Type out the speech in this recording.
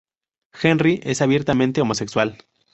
Henry es abiertamente homosexual.